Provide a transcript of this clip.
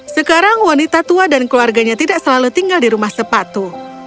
sekarang wanita tua dan keluarganya tidak selalu tinggal di rumah sepatu